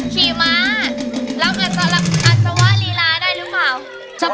ขี่ม้าแล้วอัตสวรรีราได้หรือเปล่า